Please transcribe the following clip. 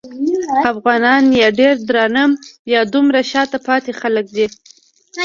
افغانان یا ډېر درانه یا دومره شاته پاتې خلک دي.